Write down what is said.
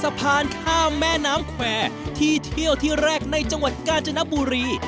สะพานข้ามแม่น้ำแควร์ที่เที่ยวที่แรกในจังหวัดกาญจนบุรี